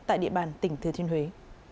tại địa bàn tỉnh thừa thiên huế